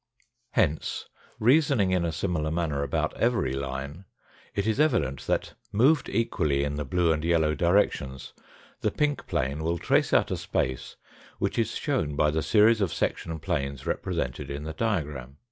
Hence, reasoning in a similar manner about every line, it is evident that, moved equally in the blue and yellow directions, the pink plane will trace out a space which is shown by the series of section planes represented in the diagram.